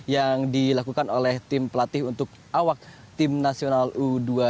yang dilakukan oleh tim pelatih untuk awak tim nasional u dua puluh dua